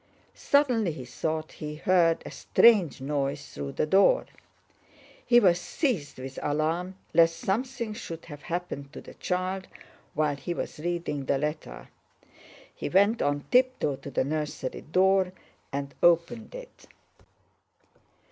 Suddenly he thought he heard a strange noise through the door. He was seized with alarm lest something should have happened to the child while he was reading the letter. He went on tiptoe to the nursery door and opened it.